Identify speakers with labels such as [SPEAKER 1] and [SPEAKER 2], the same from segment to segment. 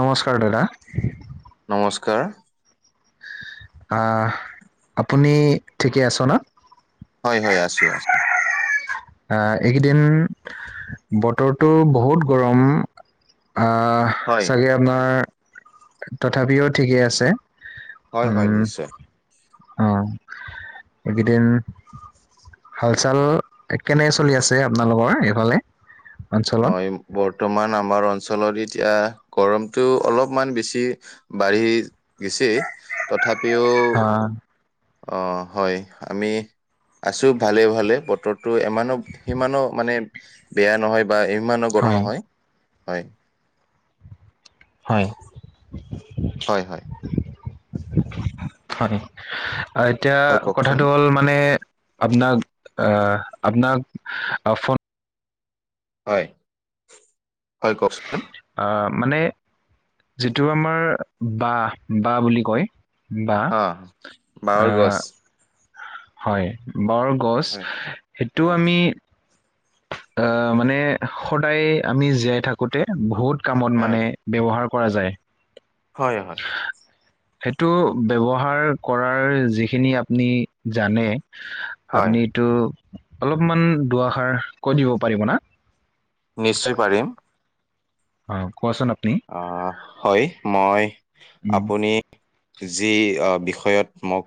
[SPEAKER 1] নমস্কাৰ দাদা।
[SPEAKER 2] নমস্কাৰ।
[SPEAKER 1] আ, আপুনি ঠিকেই আছ না।
[SPEAKER 2] হয়, হয় আছো আছ
[SPEAKER 1] আ, এইকেইদিন বতৰটো বহুত গৰম আ
[SPEAKER 2] হয়
[SPEAKER 1] চাগে আপোনাৰ, তথাপিও ঠিকে আছে।
[SPEAKER 2] হয়, হয় নিশ্চয়।
[SPEAKER 1] অ', এইকেইদিন হাল-চাল কেনে চলি আছে আপোনালোকৰ এইফালে। অঞ্চলত
[SPEAKER 2] হয়, বৰ্তমান আমাৰ অঞ্চলত এতিয়া গৰমটো অলপমান বেছি বাঢ়ি গেছি তথাপিও
[SPEAKER 1] আহ,
[SPEAKER 2] অ', হয় আমি আছো ভালে ভালে বতৰটো এমানো সিমানো মানে বেয়া নহয় বা ইমানো গৰম
[SPEAKER 1] হয়
[SPEAKER 2] নহয়, হয়।
[SPEAKER 1] হয়।
[SPEAKER 2] হয় হয়।
[SPEAKER 1] হয়, এতিয়া
[SPEAKER 2] হয় কওকচোন
[SPEAKER 1] কথাটো হ'ল মানে আপোনাক আহ আপোনাক ফোন
[SPEAKER 2] হয় হয়, কওঁক
[SPEAKER 1] আহ মানে যিটো আমাৰ বাহ, বাহ বুলি কয় বাহ
[SPEAKER 2] অ বাঁহৰ গছ
[SPEAKER 1] আহ হয়, বৰ গছ
[SPEAKER 2] হয়
[SPEAKER 1] সেইটো
[SPEAKER 2] হয়
[SPEAKER 1] আমি আহ মানে সদায় আমি জীয়াই থাকোতে বহুত কামত
[SPEAKER 2] হয়
[SPEAKER 1] মানে ব্যৱহাৰ কৰা যায়।
[SPEAKER 2] হয় হয়।
[SPEAKER 1] [inaudible] সেইটো ব্যৱহাৰ কৰাৰ যিখিনি আপুনি জানে
[SPEAKER 2] হয়
[SPEAKER 1] আপুনিটো অলপমান দুএষাৰ কৈ দিব পাৰিব না।
[SPEAKER 2] নিশ্চয় পাৰিম।
[SPEAKER 1] অঁ, কোৱাচোন আপুনি
[SPEAKER 2] অঁ, হয় মই
[SPEAKER 1] উম,
[SPEAKER 2] আপুনি যি বিষয়ত মোক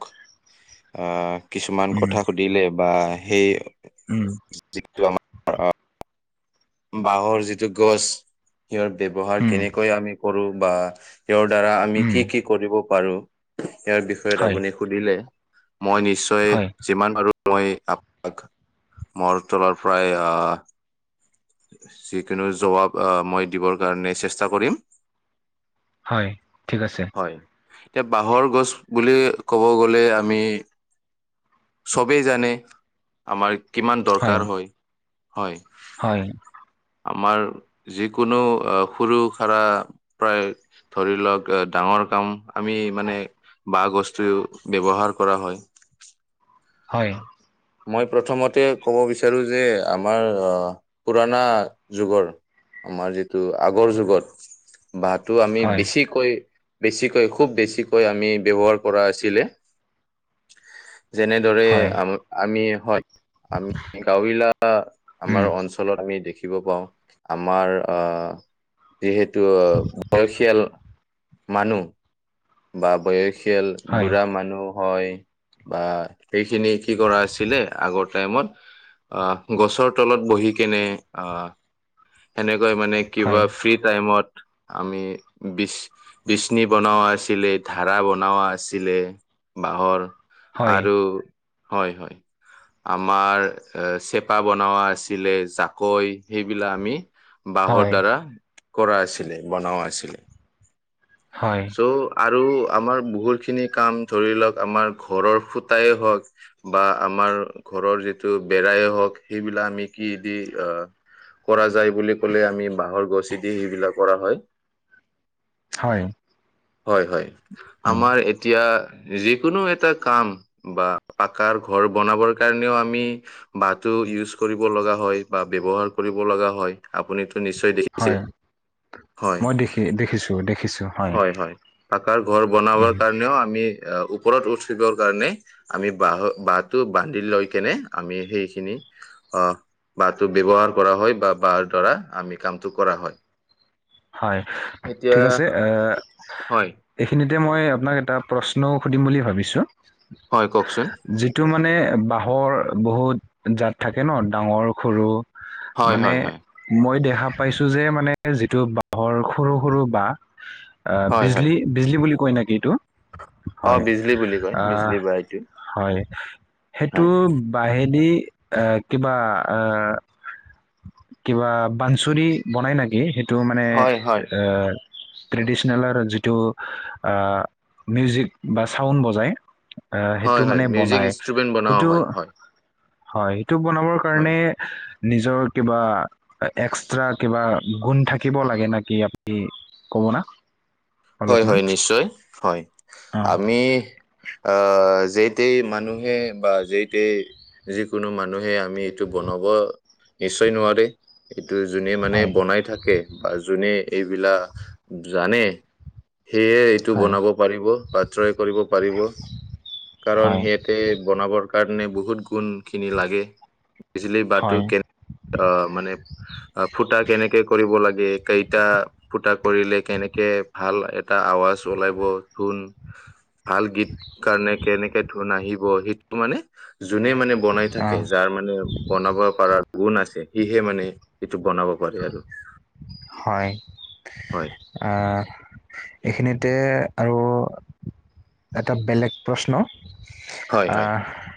[SPEAKER 2] আহ কিছুমান
[SPEAKER 1] উম,
[SPEAKER 2] কথা শু ধিলে বা সেই
[SPEAKER 1] উম।
[SPEAKER 2] [unintelligible] বাহৰ যিটো গছ ইয়াৰ ব্যৱহাৰ
[SPEAKER 1] উম,
[SPEAKER 2] কেনেকৈ আমি কৰো বা তেওঁৰ দ্বাৰা আমি
[SPEAKER 1] উম।
[SPEAKER 2] কি কি কৰিব পাৰো, ইয়াৰ বিষয়ত
[SPEAKER 1] হয়,
[SPEAKER 2] আপুনি সুধিলে মই নিশ্চ
[SPEAKER 1] হয়।
[SPEAKER 2] যিমান পাৰো মই আপোনাক মোৰ তলৰ পৰাই অঁহ যিকোনো জবাব আ, মই দিবৰ কাৰণে চেষ্টা কৰিম।
[SPEAKER 1] হয়, ঠিক আছে।
[SPEAKER 2] হয়, বাঁহৰ বুলি ক'ব গ'লে আমি চবেই জানে, আমাৰ কিমান দৰকাৰ হয়, হয়।
[SPEAKER 1] হয়।
[SPEAKER 2] আমাৰ যিকোনো সৰু সাৰা প্ৰায় ধৰি লওক ডাঙৰ কাম আমি মানে বাঁহ গছটোৱেয়ো ব্যৱহাৰ কৰা হয়।
[SPEAKER 1] হয়।
[SPEAKER 2] মই প্ৰথমতে ক'ব বিচাৰো যে আমাৰ পুৰণা যুগৰ আমাৰ যিটো আগৰ যুগত, বাঁ‌হটো আমি
[SPEAKER 1] হয়,
[SPEAKER 2] বেছি কৈ বেছিকৈ খুব বেছিকৈ আমি ব্যৱহাৰ কৰা আছিলে। যেনেদৰে
[SPEAKER 1] হয়,
[SPEAKER 2] আ আমি হয় আমি গাঁৱিলা
[SPEAKER 1] উম,
[SPEAKER 2] আমাৰ অঞ্চ লত আমি দেখিবলে পাওঁ, আমাৰ আহ যিহেতু বয়সীয়াল মানুহ বা বয়সীয়াল
[SPEAKER 1] হয়,
[SPEAKER 2] বুঢ়া মানুহ হয় বা সেইখিনি কি কৰা আছিলে আগৰ টাইমত আহ গছৰ তলত বহি কেনে আহ সেনেকৈ মানে
[SPEAKER 1] হয়,
[SPEAKER 2] কিবা ফ্ৰী টাইমত আমি বিচ বিচনি বনাৱা আছিলে, ধাৰা বনাৱা আছিলে বাঁহৰ।
[SPEAKER 1] হয়,
[SPEAKER 2] আৰু হয়-হয়। আমাৰ এ চেপা বনোৱা আছিলে, জাকৈ এইবিলাক আমি বাঁহৰ
[SPEAKER 1] হয়,
[SPEAKER 2] দ্বাৰা কৰা আছিলে, বনাৱা আছিলে।
[SPEAKER 1] হয়,
[SPEAKER 2] চ' আৰু আমাৰ বহুতখিনি কাম ধৰি লওক আমাৰ ঘৰৰ খুঁটায়ে হওক বা আমাৰ ঘৰৰ যিটো বেৰায়ে হওক সেইবিলাক আমি কি দি আহ কৰা যায় বুলি ক'লে আমি বাঁহৰ গছেদি সেইবিলাক কৰা হয়।
[SPEAKER 1] হয়।
[SPEAKER 2] হয়-হয়
[SPEAKER 1] উম।
[SPEAKER 2] আমাৰ এতিয়া যিকোনো এটা কাম বা পাকাৰ ঘৰ বনাবৰ কাৰণেও আমি বাহঁ‌টো ইউজ কৰিব লগা হয় বা ব্যৱহাৰ কৰিব লগা হয়। আপুনিটো নিশ্চয়
[SPEAKER 1] হয়
[SPEAKER 2] দেখিছেই। হয়,
[SPEAKER 1] মই দেখি দেখিছো দেখিছো হয়
[SPEAKER 2] হয়-হয় পাকাৰ ঘৰ বনাবৰ
[SPEAKER 1] উম
[SPEAKER 2] কাৰণেও আমি ওপৰত উঠিবৰ কাৰণে আমি বাহ বাহটো বান্ধি লৈ কেনে আমি সেইখিনি অ, বাহটো ব্যৱহাৰ কৰা হয় বা বাহৰ দ্বাৰা আমি কামটো কৰা হয়।
[SPEAKER 1] হয়,
[SPEAKER 2] এতিয়া
[SPEAKER 1] ঠিক আছে এ,
[SPEAKER 2] হয়
[SPEAKER 1] এইখিনিতে মই আপোনাক এটা প্ৰশ্নও সুধিম বুলি ভাবিছোঁ।
[SPEAKER 2] হয় কওকচোন?
[SPEAKER 1] যিটো মানে বাঁহৰ বহুত জাত থাকে ন' ডাঙৰ, সৰু
[SPEAKER 2] হয়
[SPEAKER 1] মানে
[SPEAKER 2] হয় হয়
[SPEAKER 1] মই দেখা পাইছো যে মানে যিটো বাঁহৰ সৰু-সৰু বাঁহ
[SPEAKER 2] হয় হয়
[SPEAKER 1] বিজলী, বিজলী বুলি কয় নেকি এইটো?
[SPEAKER 2] অ
[SPEAKER 1] হয়,
[SPEAKER 2] বিজলী বুলি কয়
[SPEAKER 1] আহ,
[SPEAKER 2] বিজলী বা এইটো
[SPEAKER 1] হয়। সেইটো
[SPEAKER 2] হয়
[SPEAKER 1] বাহেদি আহ, কিবা আহ, কিবা বানচুৰি বনাই নাকি সেইটো মানে
[SPEAKER 2] হয় হয়
[SPEAKER 1] এ ট্ৰেডিচনেলৰ যিটো আ মিউজিক বা চাউণ্ড বজায় আহ
[SPEAKER 2] হয়
[SPEAKER 1] সেইটো
[SPEAKER 2] হয়
[SPEAKER 1] মানে
[SPEAKER 2] মিউজিক
[SPEAKER 1] বনাই,
[SPEAKER 2] ইনষ্ট্ৰুমেণ্ট বনোৱা
[SPEAKER 1] সেইটো
[SPEAKER 2] হয় হয়
[SPEAKER 1] হয়, সেইটো বনাবৰ
[SPEAKER 2] হয়
[SPEAKER 1] কাৰণে নিজৰ কিবা এক্সট্ৰা কিবা গুণ থাকে থাকিব লাগে নাকি, আপুনি ক'ব না?
[SPEAKER 2] হয়
[SPEAKER 1] অলপমান
[SPEAKER 2] -হয়, নিশ্চয় হয়,
[SPEAKER 1] অ
[SPEAKER 2] আমি আহ, যেই তেই মানুহে বা যেই তেই যিকোনো মানুহে আমি এইটো বনাব নিশ্চয় নোৱাৰে। এইটো যোনে মানে
[SPEAKER 1] হয়
[SPEAKER 2] বনাই থাকে বা যোনে এইবিলাক জানে সেয়ে এইটো
[SPEAKER 1] হয়
[SPEAKER 2] বনাব পাৰিব বা ট্ৰাই কৰিব পাৰিব, কাৰণ
[SPEAKER 1] হয়
[SPEAKER 2] সে ইতে বনাবৰ কাৰণে বহুত গুণ খিনি লাগে। বিজিলি
[SPEAKER 1] হয়
[SPEAKER 2] বাঁহটো কেন অ মানে অ ফুটা কেনেকে কৰিব লাগে? কেইটা ফুটা কৰিলে কেনেকে ভাল এটা আৱাজ ওলাব, ধোন ভাল গীত কাৰণে কেনেকে ধোন আহিব সেইটো মানে যোনে মানে বনাই
[SPEAKER 1] অ
[SPEAKER 2] থাকে যাৰ মানে বনাব পাৰা গুণ আছে, সিহে মানে এইটো বনাব পাৰে আৰু
[SPEAKER 1] হয়।
[SPEAKER 2] হয়
[SPEAKER 1] আহ, এইখিনিতে আৰু এটা বেলেগ প্ৰশ্ন
[SPEAKER 2] হয় হয়
[SPEAKER 1] আহ,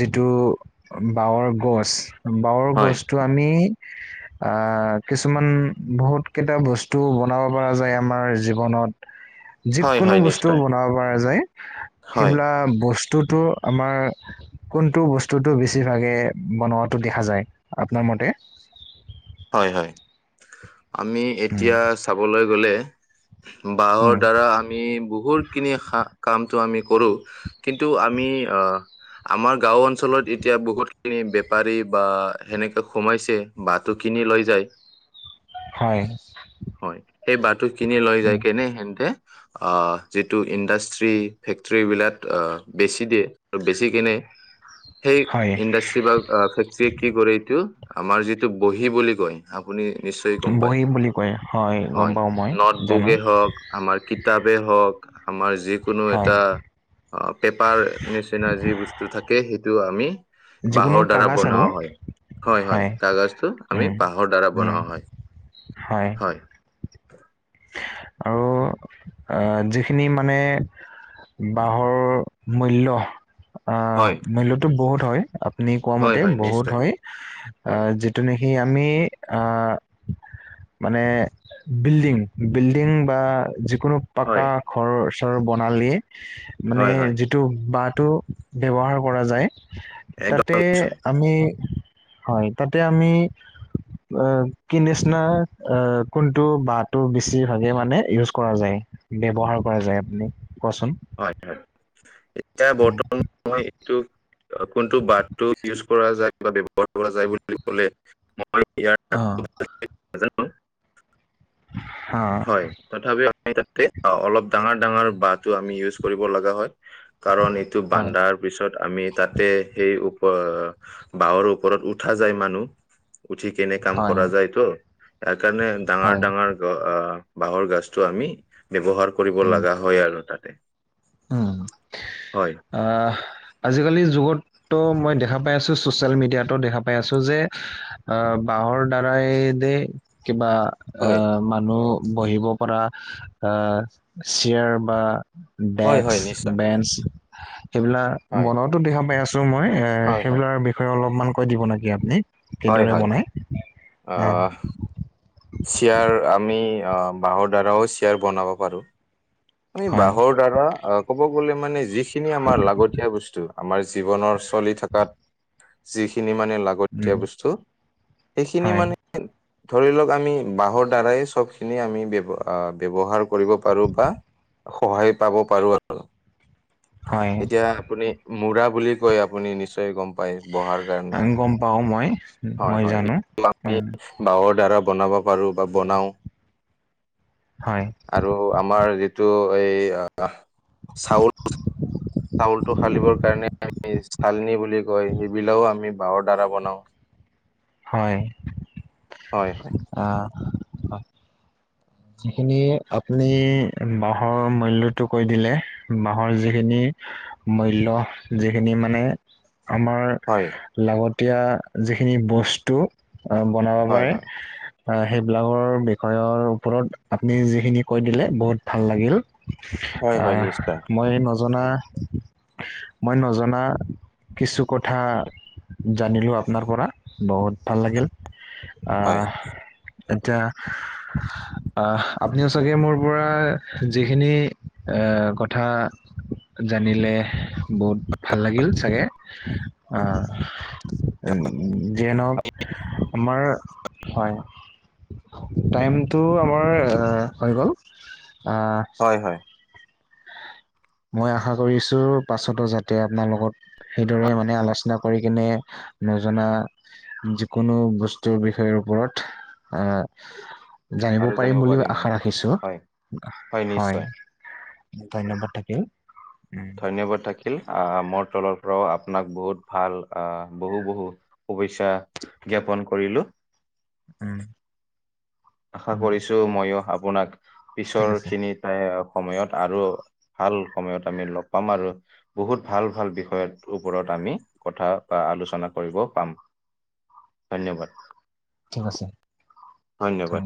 [SPEAKER 1] যিটো বাহঁৰ গছ বাঁহৰ
[SPEAKER 2] হয়
[SPEAKER 1] গছটো আনি আহ কিছু কিছুমান বহুত কেইটা বস্তু বনাব পৰা যায় আমাৰ জীৱনত।
[SPEAKER 2] হয়
[SPEAKER 1] যিকোনো
[SPEAKER 2] হয়
[SPEAKER 1] বস্তু
[SPEAKER 2] নিশ্চয়
[SPEAKER 1] বনাব পৰা যায়
[SPEAKER 2] হয়
[SPEAKER 1] সেইবিলাক বস্তুটো আমাৰ কোনটো বস্তুটো বেছিভাগে বনোৱাটো দেখা যায় আপোনাৰ মতে?
[SPEAKER 2] হয়-হয় আমি
[SPEAKER 1] উম
[SPEAKER 2] এতিয়া চাবলৈ গ'লে বাঁহৰ
[SPEAKER 1] উম
[SPEAKER 2] দ্বাৰা আমি বহুতখিনি কামটো আমি কৰো। কিন্তু আমি আমাৰ গাঁও অঞ্চলত এতিয়া বহুত খিনি বেপাৰী বা সেনেকে সোমাইছে বাট টো কিনি লৈ যায়।
[SPEAKER 1] হয়।
[SPEAKER 2] হয়, সেই বাট কিনি লৈ
[SPEAKER 1] উম
[SPEAKER 2] যায় কেনে হেনতে অ' যিটো ইণ্ডাষ্ট্ৰি ফেক্টৰিবিলাক অ' বেছি দিয়ে। বেছি কিনে সেই
[SPEAKER 1] হয়
[SPEAKER 2] ইণ্ডাষ্ট্ৰি বা ফেক্ট্ৰীয়ে কি কৰে এইটো আমাৰ যিটো বহী বুলি কয় আপুনি নিশ্চয় গম পায়।
[SPEAKER 1] বহী বুলি কয় গম
[SPEAKER 2] হয়
[SPEAKER 1] পাওঁ মই
[SPEAKER 2] নট
[SPEAKER 1] জানো
[SPEAKER 2] বুকে হওঁক আমাৰ কিতাপেই হওঁক আমাৰ যিকোনো
[SPEAKER 1] হয়
[SPEAKER 2] এটা অ' পেপাঁৰ নিচিনা যি বস্তু থাকে সেইটো আমি
[SPEAKER 1] যিকোনো
[SPEAKER 2] বাঁহৰ দ্বাৰা
[SPEAKER 1] কাগজ আৰু
[SPEAKER 2] বনোৱা
[SPEAKER 1] হয়
[SPEAKER 2] হয়-হয়-হয়। কাগজটো
[SPEAKER 1] উম
[SPEAKER 2] আমি বাঁহৰ দ্বাৰা
[SPEAKER 1] উম
[SPEAKER 2] বনোৱা
[SPEAKER 1] হয়
[SPEAKER 2] হয়-হয়।
[SPEAKER 1] আৰু আহ যিখিনি মানে বাঁহৰ মূল্য আহ
[SPEAKER 2] হয়
[SPEAKER 1] মূল্যতো বহুত হয় আপুনি কোৱা
[SPEAKER 2] হয়
[SPEAKER 1] মতে
[SPEAKER 2] হয়
[SPEAKER 1] বহুত
[SPEAKER 2] নিশ্চয়
[SPEAKER 1] হয়
[SPEAKER 2] হয়
[SPEAKER 1] আহ যি তেনেকে আমি আহ মানে বিল্ডিং বিল্ডিং বা যিকোনো পাকা
[SPEAKER 2] হয়
[SPEAKER 1] ঘৰ চৰ বনালে মানে
[SPEAKER 2] হয়,
[SPEAKER 1] যি
[SPEAKER 2] হয়,
[SPEAKER 1] যিটো বাঁহটো ব্যৱহাৰ কৰা যায়
[SPEAKER 2] একদম
[SPEAKER 1] তাতে
[SPEAKER 2] নিশ্চয়।
[SPEAKER 1] আমি হয় তাতে আমি কি নিচিনা আহ কোনটো বাট টো বেছিভাগে মানে ইউজ কৰা যায় ব্যৱহাৰ কৰা যায় আপুনি কোৱাচোন।
[SPEAKER 2] হয়-হয় এতিয়া
[SPEAKER 1] উম,
[SPEAKER 2] বৰ্তমান মই এইটো কোনটো বাথটো কৰা যায় বা ব্যৱহাৰ কৰা যায় বুলি ক'লে, মই ইয়াৰ নামটো
[SPEAKER 1] অ'।
[SPEAKER 2] ভালকে নাজানো।
[SPEAKER 1] অ'।
[SPEAKER 2] হয় তথাপিও আমি তাতে অ' অলপ ডাঙৰ ডাঙৰ বাহটো আমি ইউজ কৰিব লগা হয়। কাৰণ এটো
[SPEAKER 1] হয়
[SPEAKER 2] বানদাৰ পিছত আমি তাতে সেই উপ, বাঁহৰ ওপৰত উঠা যায় মানুহ। উঠি কেনে কাম
[SPEAKER 1] হয়
[SPEAKER 2] কৰা যায়তো, তাৰকাৰণে ডাঙৰ
[SPEAKER 1] হয়
[SPEAKER 2] ডাঙৰ আহ বাঁহৰ গাছটো আমি ব্যৱহাৰ কৰিব
[SPEAKER 1] উম,
[SPEAKER 2] লগা হয় আৰু তাতে।
[SPEAKER 1] উম,
[SPEAKER 2] হয়।
[SPEAKER 1] আহ আজিকালিৰ যুগত তো মই দেখা পাই আছো ছ'চিয়েল মিডিয়াতো দেখা পাই আছো যে, আহ বাঁহৰ দাৰা এই দে, কিবা
[SPEAKER 2] হয়।
[SPEAKER 1] আহ মানুহ বহিব পৰা আহ চেয়াৰ বা
[SPEAKER 2] হয়,
[SPEAKER 1] ডেস্ক,
[SPEAKER 2] হয়, নিশ্চয়।
[SPEAKER 1] বেঞ্চ, সেইবিলাক
[SPEAKER 2] হয়।
[SPEAKER 1] বনোৱাটো দেখা পাই আছো মই
[SPEAKER 2] হয়, হয়।
[SPEAKER 1] সেইবিলাকৰ বিষয়ে অলপমান কৈ দিব নেকি আপুনি
[SPEAKER 2] হয়,
[SPEAKER 1] কিদৰে
[SPEAKER 2] হয়।
[SPEAKER 1] বনাই অ'।
[SPEAKER 2] চিয়াৰ আমি অ' বাঁহৰ দ্বাৰাও চিয়াৰ বনাব পাৰো। আমি
[SPEAKER 1] হয়
[SPEAKER 2] বাঁহৰ দ্বাৰা অ' ক'ব গ'লে মানে যিখিনি আমাৰ লাগতিয়া বস্তু আমাৰ জীৱনৰ চলি থকাত, যিখিনি মানে লাগ তিয়া
[SPEAKER 1] উম,
[SPEAKER 2] বস্তু, সেইখিনি
[SPEAKER 1] হয়,
[SPEAKER 2] মনে ধৰি লওঁক আমি বাহৰ দ্বাৰাই চব খিনি আমি ব্যৱ ব্যৱহাৰ কৰিব পাৰো, বা সহায় পাব পাৰো আৰু।
[SPEAKER 1] হয়।
[SPEAKER 2] এতিয়া আপুনি মুৰাহ বুলি কৈ আপুনি নিশ্চয় গ'ম হয় বহাৰ
[SPEAKER 1] আ,
[SPEAKER 2] কাৰণে,
[SPEAKER 1] গম পাও মই,
[SPEAKER 2] হয়
[SPEAKER 1] মই
[SPEAKER 2] হয়
[SPEAKER 1] জানো উম,
[SPEAKER 2] আমি বাহৰ দ্বাৰা বনাব পাৰো বা বনাওঁ।
[SPEAKER 1] হয়।
[SPEAKER 2] আৰু আমাৰ যিটো এই আহ চাউল চাউলটো ফালিবৰ কাৰণে আমি চালনি বুলি কয় সেইবিলাকও আমি বাহৰ দ্বাৰা বনাও।
[SPEAKER 1] হয়।
[SPEAKER 2] হয় হয়।
[SPEAKER 1] আহ। যিখিনি আপুনি বাহৰ মূল্যটো কৈ দিলে, বাহৰ যিখিনি মূল্য যিখিনি মানে, আমাৰ
[SPEAKER 2] হয়।
[SPEAKER 1] লাগতিয়া যিখিনি বস্তু, আহ বনাব
[SPEAKER 2] হয়
[SPEAKER 1] পাৰে।
[SPEAKER 2] হয়
[SPEAKER 1] আহ সেইবিলাকৰ বিষয়ৰ ওপৰত আপুনি যিখিনি কৈ দিলে বহুত ভাল লাগিল।
[SPEAKER 2] হয় হয়
[SPEAKER 1] আহ
[SPEAKER 2] নিশ্চয়
[SPEAKER 1] মই নজনা মই নজনা, কিছু কথা জানিলো আপনাৰ পৰা, বহুত ভাল লাগিল।
[SPEAKER 2] হয়
[SPEAKER 1] আহ, এতিয়া আহ আপুনিও চাগে মোৰ পৰা যিখিনি এ কথা জানিলে বহুত ভাল লাগিল চাগে, আহ। উম, যিয়ে নহওঁক আমাৰ, হয়, টাইম টো আমাৰ আহ হৈ গ'ল, আহ।
[SPEAKER 2] হয় হয়
[SPEAKER 1] মই আশা কৰিছো পাছতো যাতে আপোনাৰ লগত, সেইদৰে
[SPEAKER 2] হয়
[SPEAKER 1] মানে আলোচনা কৰি কিনে, নজনা যিকোনো বস্তুৰ বিষয়ৰ ওপৰত আহ। জানিব পাৰিম বুলি আশা ৰাখিছো,
[SPEAKER 2] হয়
[SPEAKER 1] হয়। থ ধন্যবাদ থাকিল।
[SPEAKER 2] ধন্যবাদ থাকিল, অঁ মোৰ তলৰ পৰাও আপোনাক বহুত ভাল বহু বহু। শুভেচ্ছা জ্ঞাপন কৰিলো।
[SPEAKER 1] আঁহ।
[SPEAKER 2] আশা কৰিছো মইয়ো আপোনাক
[SPEAKER 1] ঠিক
[SPEAKER 2] পিছৰ
[SPEAKER 1] আছে
[SPEAKER 2] খিনিত আশা কৰিছো মইয়ো আপোনাক পিছৰ খিনিত এ সময়ত আৰু ভাল সময়ত আমি লগ পাম আৰু। বহুত ভাল ভাল বিষয়ৰ ওপৰত আমি কথা বা আলোচনা কৰিব পাম। ধন্যবাদ।
[SPEAKER 1] ঠিক আছে।
[SPEAKER 2] ধন্যবাদ।